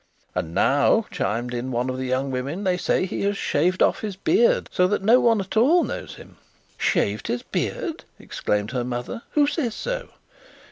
"And now," chimed in one of the young women, "they say he has shaved off his beard, so that no one at all knows him." "Shaved his beard!" exclaimed her mother. "Who says so?"